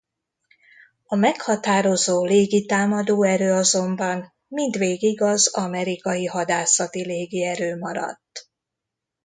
A meghatározó légi támadó erő azonban mindvégig az amerikai hadászati légierő maradt.